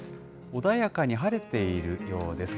穏やかに晴れているようです。